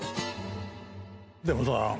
でもさ